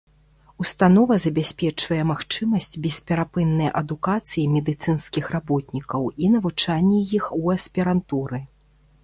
Установа забяспечвае магчымасць бесперапыннай адукацыі медыцынскіх работнікаў і навучанне іх у аспірантуры.